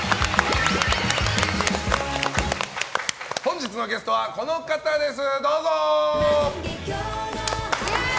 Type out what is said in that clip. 本日のゲストはこの方です！